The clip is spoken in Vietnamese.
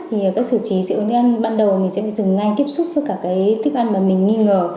thì các xử trí dị ứng thức ăn ban đầu mình sẽ dừng ngay tiếp xúc với các thức ăn mà mình nghi ngờ